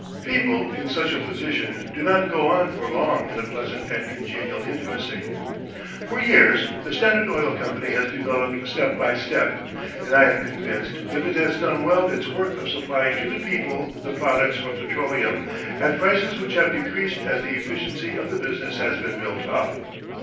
People in such a position do not go on for long in a pleasant and congenial intimacy. For years the Standard Oil Company has developed step by step, and I am convinced that it has done well its work of supplying to the people the products from petroleum at prices which have decreased as the efficiency of the business has been built up.